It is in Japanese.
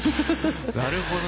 なるほどね。